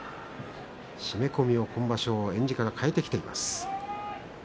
締め込みを今場所、えんじから替えてきています。